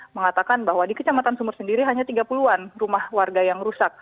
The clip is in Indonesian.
mengatakan bahwa di kecamatan sumur sendiri hanya tiga puluh an rumah warga yang rusak